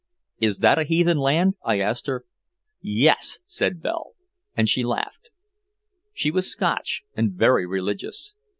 "Is that a heathen land?" I asked her. "Yes!" said Belle. And she laughed. She was Scotch and very religious.